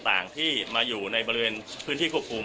ยังอยู่ในบริเวณพื้นที่ควบคุม